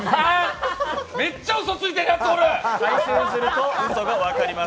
めっちゃうそついてるやつおる。